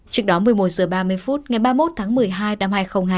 trước đó một mươi một h ba mươi phút ngày ba mươi một tháng một mươi hai năm hai nghìn hai mươi